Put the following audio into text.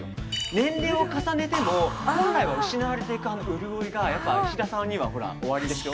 年齢を重ねても本来は失われていく潤いが、やっぱり石田さんにはおありでしょ。